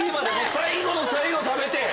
最後の最後食べて。